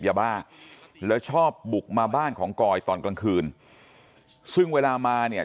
ยาบ้าแล้วชอบบุกมาบ้านของกอยตอนกลางคืนซึ่งเวลามาเนี่ย